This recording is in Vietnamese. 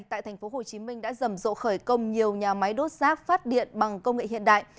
tại tp hcm đã rầm rộ khởi công nhiều nhà máy đốt rác phát điện bằng công nghệ hiện đại